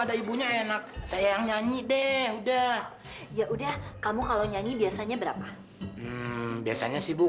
ada ibunya enak saya yang nyanyi deh udah ya udah kamu kalau nyanyi biasanya berapa biasanya sibuk